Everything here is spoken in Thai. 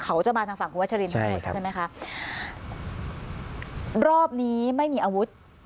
เขาจะมาทางฝั่งคุณวัชรินใช่ไหมคะรอบนี้ไม่มีอาวุธ